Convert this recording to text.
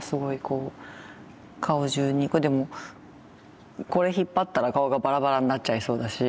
これでもこれ引っ張ったら顔がバラバラになっちゃいそうだし。